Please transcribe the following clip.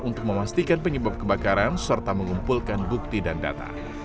untuk memastikan penyebab kebakaran serta mengumpulkan bukti dan data